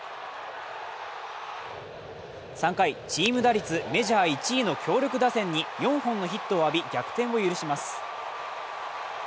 ３回、チーム打率メジャー１位の強力打線に４本のヒットを浴び、逆転を許します。